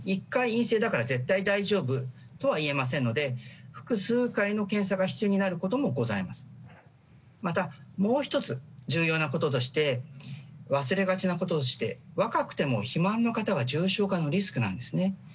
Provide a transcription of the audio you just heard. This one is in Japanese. １回陰性だから絶対大丈夫とは言えませんので複数回の検査が必要になることもございますしもう１つ、重要なこととして忘れがちなことですが若くても肥満の方は重症化のリスクなんですね。